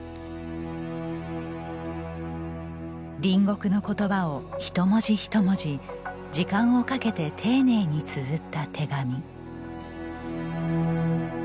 隣国の言葉をひと文字ひと文字時間をかけて丁寧につづった手紙。